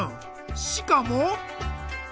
しかも。